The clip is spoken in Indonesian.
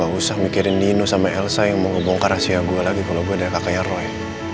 gak usah mikirin dino sama elsa yang mau ngebongkar rahasia gue lagi kalau gue ada kakeknya roy